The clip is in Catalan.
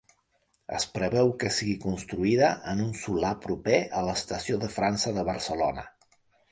Es preveu que sigui construïda en un solar proper a l'Estació de França de Barcelona.